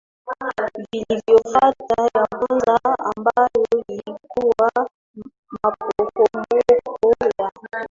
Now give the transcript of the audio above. vilivyofuata ya kwanza ambayo ilikuwa maporomoko ya